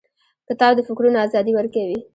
کتاب د فکرونو ازادي ورکوي.